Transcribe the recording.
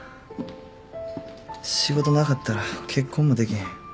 仕事なかったら結婚もできへん。